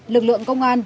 lực lượng công an